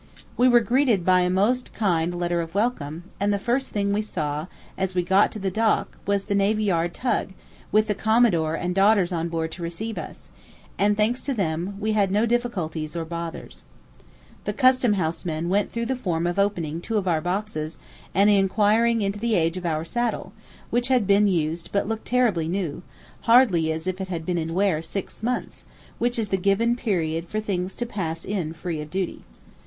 We were greeted by a most kind letter of welcome, and the first thing we saw as we got to the dock was the Navy Yard Tug with the Commodore and daughters on board to receive us; and, thanks to them, we had no difficulties or bothers. The Custom house men went through the form of opening two of our boxes and inquiring into the age of our saddle, which had been used but looked terribly new, hardly as if it had been in wear six months, which is the given period for things to pass in free of duty.